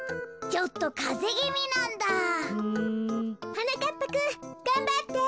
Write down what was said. はなかっぱくんがんばって。